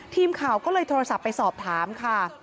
ทีมข่าวก็เลยโทรศัพท์ไปสอบถามค่ะ